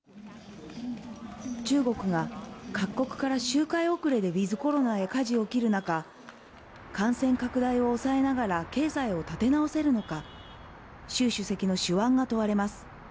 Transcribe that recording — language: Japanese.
中国が各国から周回遅れでウィズコロナへかじを切る中、感染拡大を抑えながら経済を立て直せるのか。